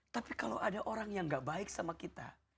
tapi kalau ada orang yang gak baik sama kita